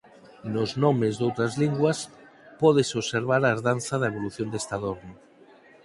Nos nomes doutras linguas pódese observar a herdanza da evolución deste adorno.